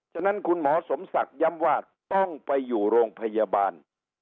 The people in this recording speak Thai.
ฉะนั้นคุณหมอสมศักดิ์ย้ำว่าต้องไปอยู่โรงพยาบาล